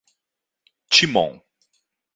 Timon